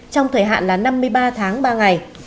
trong thời hạn là năm mươi ba tháng ba ngày